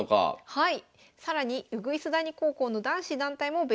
はい。